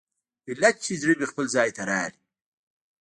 ايله چې زړه مې خپل ځاى ته راغى.